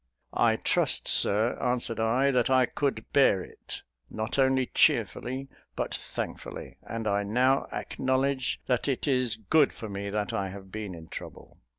"I trust, Sir," answered I, "that I could bear it, not only cheerfully, but thankfully; and I now acknowledge that it is good for me that I have been in trouble."